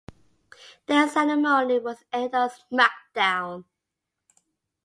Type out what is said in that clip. Their ceremony was aired on "SmackDown!".